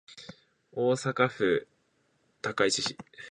大阪府高石市